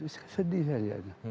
saya sedih sejajarnya